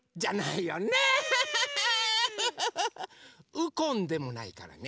「ウコン」でもないからね。